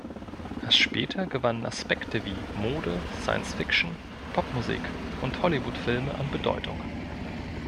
Erst später gewannen Aspekte wie Mode, Science-Fiction, Popmusik und Hollywood-Filme an Bedeutung.